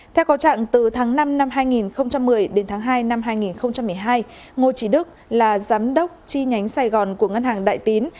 theo có trạng từ tháng năm năm hai nghìn một mươi đến tháng hai năm hai nghìn một mươi hai ngô trí đức là giám đốc chi nhánh sài gòn của ngân hàng đại tín